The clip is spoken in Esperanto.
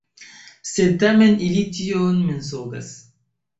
Sed tamen ili tion mensogas.